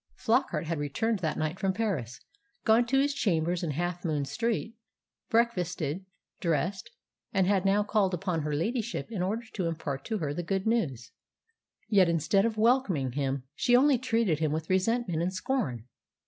Flockart had returned that night from Paris, gone to his chambers in Half Moon Street, breakfasted, dressed, and had now called upon her ladyship in order to impart to her the good news. Yet, instead of welcoming him, she only treated him with resentment and scorn.